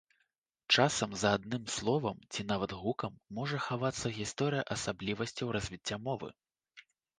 Часам за адным словам ці нават гукам можа хавацца гісторыя асаблівасцяў развіцця мовы.